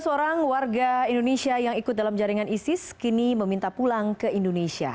dua belas orang warga indonesia yang ikut dalam jaringan isis kini meminta pulang ke indonesia